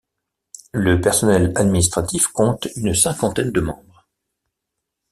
Le personnel administratif compte une cinquantaine de membres.